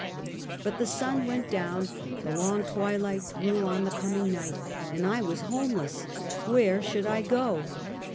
But the sun went down, the long twilight drew on the coming night, aud I was home less. Where should I go